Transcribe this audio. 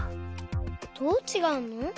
どうちがうの？